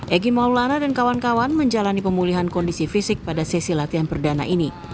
egy maulana dan kawan kawan menjalani pemulihan kondisi fisik pada sesi latihan perdana ini